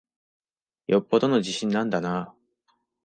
よっぽどの自信なんだなぁ。